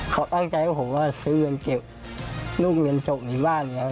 เขาตั้งใจให้ผมว่าซื้อเงินเก็บลูกมีอันโตกอีกบ้าน